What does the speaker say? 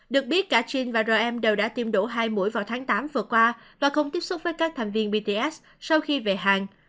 được biết cả chin và rm đều đã tiêm đổ hai mũi vào tháng tám vừa qua và không tiếp xúc với các thành viên bts sau khi về hàng